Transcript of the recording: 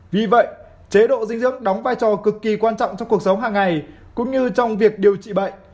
vì vậy chế độ dinh dưỡng đóng vai trò cực kỳ quan trọng trong cuộc sống hàng ngày cũng như trong việc điều trị bệnh